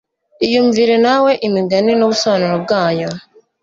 Iyumvire nawe Imigani n'ubusobanuro bwayo